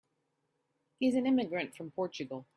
He's an immigrant from Portugal.